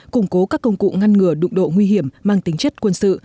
củng cố các công cụ ngăn ngừa đụng độ nguy hiểm mang tính chất quân sự